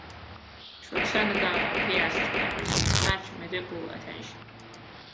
Schwarzenegger appears to have received much medical attention.